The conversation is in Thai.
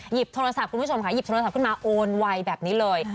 หยิบโทรศัพท์ขึ้นมาโอนไวแบบนี้เลย